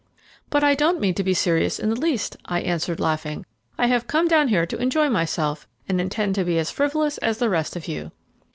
"But I don't mean to be serious in the least," I answered, laughing; "I have come here to enjoy myself, and intend to be as frivolous as the rest of you."